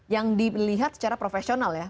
yang dilihat secara profesional ya